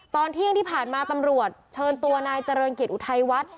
ตอนเที่ยงที่ผ่านมาตำรวจเชิญตัวนายเจริญกิจอุทัยวัฒน์